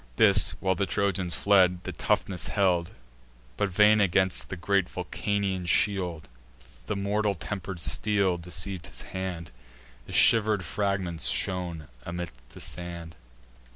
This, while the Trojans fled, the toughness held; But, vain against the great Vulcanian shield, The mortal temper'd steel deceiv'd his hand: The shiver'd fragments shone amid the sand.